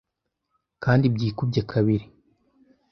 kandi byikubye kabiri. ”